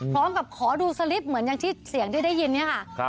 พร้อมกับขอดูสลิปเหมือนที่เสียงได้ยินเนี่ยค่ะ